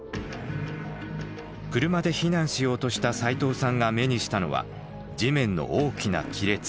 車で避難しようとした齋藤さんが目にしたのは地面の大きな亀裂。